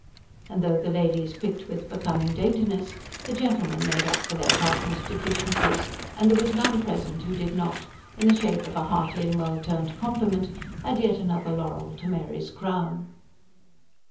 And though the ladies picked with becoming daintiness, the gentlemen made up for their partners' deficiencies; and there was none present who did not, in the shape of a hearty and well turned compliment, add yet another laurel to Mary's crown.